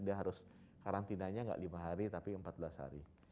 dia harus karantinanya tidak lima hari tapi empat belas hari